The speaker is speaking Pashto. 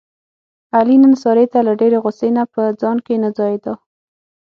علي نن سارې ته له ډېرې غوسې نه په ځان کې نه ځایېدا.